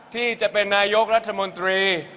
ที่จะเป็นนายกรัฐมนตรี